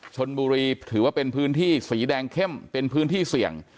ชนบุรีถือว่าเป็นพื้นที่สีแดงเข้มเป็นพื้นที่เสี่ยง